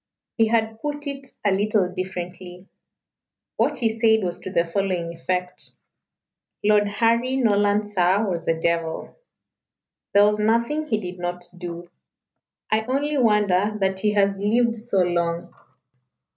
He had put it a little differently. What he said was to the following effect "Lord Harry Norland, sir, was a devil. There was nothing he did not do. I only wonder that he has lived so long.